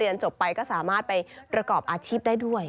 จบไปก็สามารถไปประกอบอาชีพได้ด้วย